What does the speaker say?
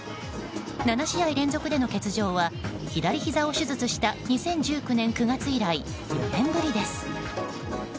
７試合連続での欠場は左ひざを手術した２０１９年９月以来４年ぶりです。